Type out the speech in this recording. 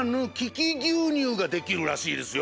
きぎゅうにゅうができるらしいですよ。